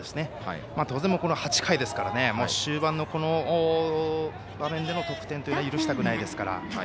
当然、８回ですから終盤のこの場面での得点というのは許したくないですから。